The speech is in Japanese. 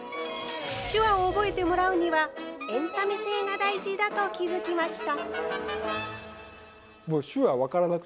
手話を覚えてもらうには、エンタメ性が大事だと気付きました。